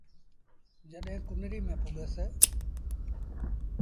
جڏهيݩ ڪنريٚ ميݩ پُڳس ۔